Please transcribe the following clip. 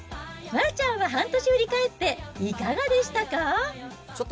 丸ちゃんは半年振り返って、いかがでしたか？